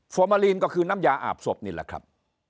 มาลีนก็คือน้ำยาอาบศพนี่แหละครับ